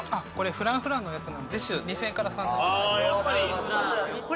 Ｆｒａｎｃｆｒａｎｃなので２０００円から３０００円。